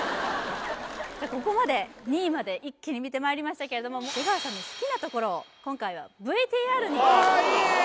じゃあここまで２位まで一気に見てまいりましたけれども出川さんの好きなところを今回はＶＴＲにいい！